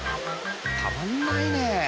たまんないね］